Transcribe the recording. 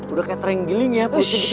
udah kayak terenggiling ya